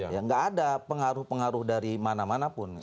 ya nggak ada pengaruh pengaruh dari mana mana pun